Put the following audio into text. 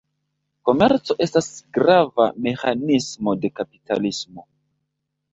Komerco estas grava meĥanismo de kapitalismo.